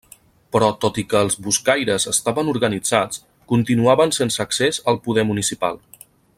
Però tot i que els buscaires estaven organitzats, continuaven sense accés al poder municipal.